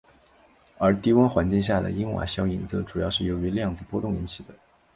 而低温环境下的因瓦效应则主要是由于量子波动引起的。